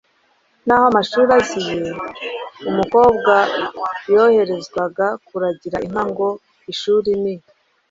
Naho amashuri aziye, umukobwa yoherezwaga kuragira inka ngo ishuri ni